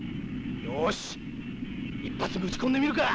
よし１発ぶち込んでみるか。